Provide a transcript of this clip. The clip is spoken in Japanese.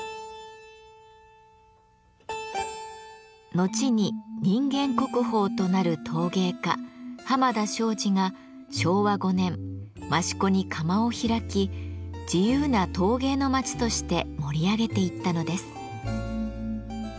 後に人間国宝となる陶芸家濱田庄司が昭和５年益子に窯を開き自由な陶芸の町として盛り上げていったのです。